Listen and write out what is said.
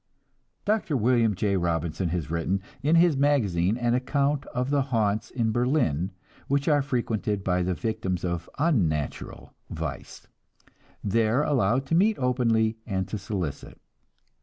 Dr. William J. Robinson has written in his magazine an account of the haunts in Berlin which are frequented by the victims of unnatural vice, there allowed to meet openly and to solicit.